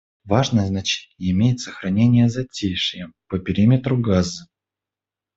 Важное значение имеет сохранение «затишья» по периметру Газы.